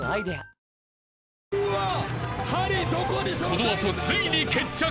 ［この後ついに決着。